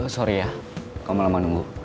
sorry ya kau mau lama nunggu